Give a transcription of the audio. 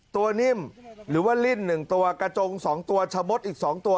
นิ่มหรือว่าลิ่น๑ตัวกระจง๒ตัวชะมดอีก๒ตัว